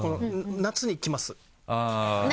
「夏に来ます」。